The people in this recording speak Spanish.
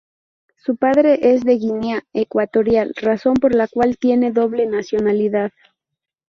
Su padre es de Guinea Ecuatorial, razón por la cual tiene doble nacionalidad.